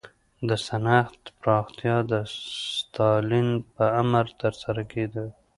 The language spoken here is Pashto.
د صنعت پراختیا د ستالین په امر ترسره کېده.